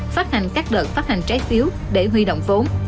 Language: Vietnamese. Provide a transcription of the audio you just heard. phát hành các đợt phát hành trái phiếu để huy động vốn